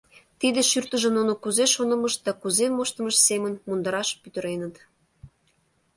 Тиде шӱртыжым нуно кузе шонымышт да кузе моштымышт семын мундыраш пӱтыреныт.